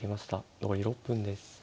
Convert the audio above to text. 残り６分です。